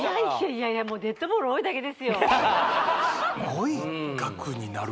いやいやもうデッドボール多いだけですよ